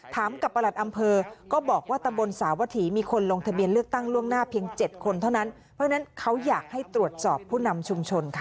ถามกับประหลัดอำเภอก็บอกว่าตำบลสาวถีมีคนลงทะเบียนเลือกตั้งล่วงหน้าเพียง๗คนเท่านั้นเพราะฉะนั้นเขาอยากให้ตรวจสอบผู้นำชุมชนค่ะ